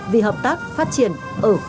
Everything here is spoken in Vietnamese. vì hợp tác phát triển ở khu vực và trên thế giới